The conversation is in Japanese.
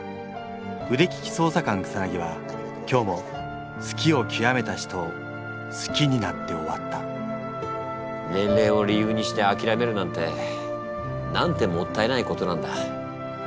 腕利き捜査官草は今日も好きをきわめた人を好きになって終わった年齢を理由にして諦めるなんてなんてもったいないことなんだ。